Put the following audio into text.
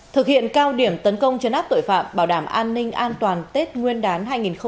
thực hiện cao điểm tấn công chấn áp tội phạm bảo đảm an ninh an toàn tết nguyên đán hai nghìn hai mươi bốn